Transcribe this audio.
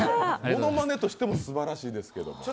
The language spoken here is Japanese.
ものまねとしてもすばらしいですけど。